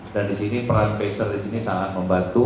dan di sini peran peser di sini sangat membantu